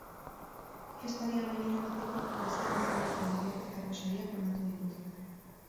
Festari amaiera emateko, goizean izandako lehiaketako sariak banatu dituzte.